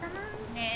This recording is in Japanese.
ねえ。